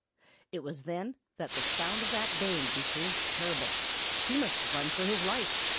It was then that the sound of that baying became terrible. He must run for his life!